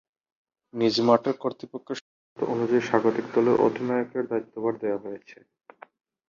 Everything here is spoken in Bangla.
নিজ মাঠের কর্তৃপক্ষের সিদ্ধান্ত অনুযায়ী স্বাগতিক দলের অধিনায়কের দায়িত্বভার দেয়া হয়েছে।